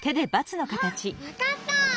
あわかった！